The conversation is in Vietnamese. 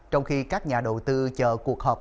trong khi các nhà đầu tư chờ cuộc họp